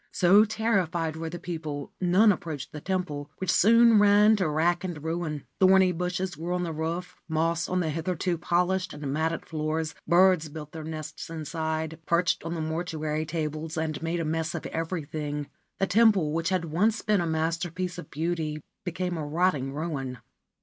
So terrified were the people, none approached the temple, which soon ran to rack and ruin. Thorny bushes grew on the roof, moss on the hitherto polished and matted floors ; birds built their nests inside, perched on the mortuary tablets, and made a mess of everything ; the temple, which had once been a masterpiece of beauty, became a rotting ruin.